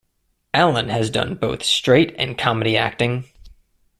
Allen has done both straight and comedy acting.